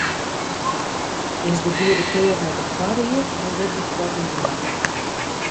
Is de goede kleur net op foarried, dan wurdt dy troch ús makke.